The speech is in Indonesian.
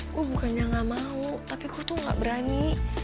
gue bukannya gak mau tapi gue tuh gak berani